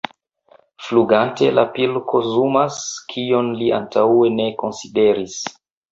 Flugante la pilko zumas, kion li antaŭe ne konsideris.